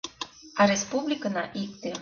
— А республикына икте.